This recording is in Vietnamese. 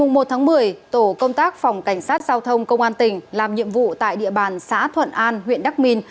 ngày một một mươi tổ công tác phòng cảnh sát giao thông công an tỉnh làm nhiệm vụ tại địa bàn xã thuận an huyện đắk minh